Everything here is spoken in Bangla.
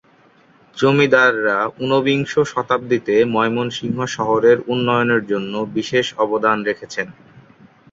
জমিদাররা ঊনবিংশ শতাব্দীতে ময়মনসিংহ শহরের উন্নয়নের জন্য বিশেষ অবদান রেখেছেন।